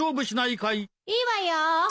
いいわよ。